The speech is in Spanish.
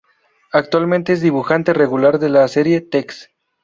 Actualmente es dibujante regular de la serie Tex.